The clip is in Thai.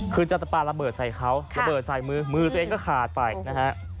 คือจะปลาระเบิดใส่เขาระเบิดใส่มือมือตัวเองก็ขาดไปนะฮะ